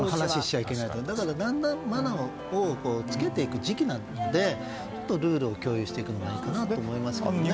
だから、だんだんマナーをつけていく時期なのでもっとルールを共有していくのがいいと思いますね。